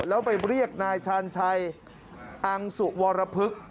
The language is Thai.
แล้วไปเรียกนายชาญชัยอังสุวรพฤกษ์